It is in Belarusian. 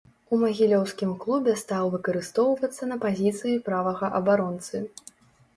У магілёўскім клубе стаў выкарыстоўвацца на пазіцыі правага абаронцы.